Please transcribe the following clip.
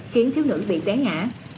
khiến thiếu nữ bị té ngã